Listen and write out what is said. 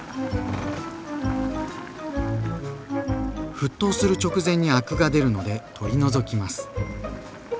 沸騰する直前にアクが出るので取り除きます。